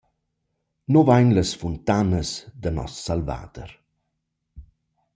Nus vain las funtanas da nos Salvader.